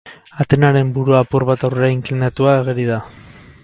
Atenaren burua apur bat aurrera inklinatua ageri da.